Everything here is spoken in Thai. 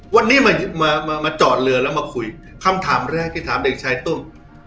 วันนี้มามาจอดเรือแล้วมาคุยคำถามแรกที่ถามเด็กชายตุ้ม